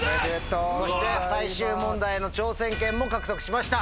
そして最終問題の挑戦権も獲得しました。